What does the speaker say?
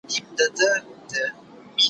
ما د سبا لپاره د نوي لغتونو يادونه کړې ده!؟